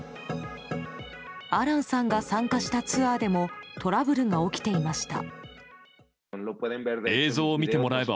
アランさんが参加したツアーでもトラブルが起きていました。